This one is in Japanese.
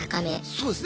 そうですね。